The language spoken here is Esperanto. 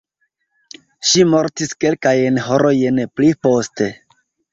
Ŝi mortis kelkajn horojn pli poste.